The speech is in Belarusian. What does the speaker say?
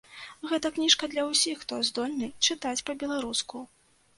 Гэта кніжка для ўсіх, хто здольны чытаць па-беларуску.